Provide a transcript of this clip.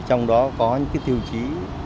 trong đó có những tiêu chí